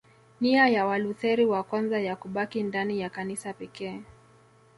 Nia ya Walutheri wa kwanza ya kubaki ndani ya Kanisa pekee